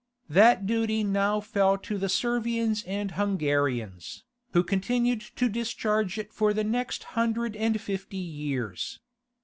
That duty now fell to the Servians and Hungarians, who continued to discharge it for the next hundred and fifty years.